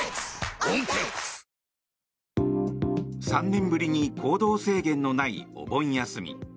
３年ぶりに行動制限のないお盆休み。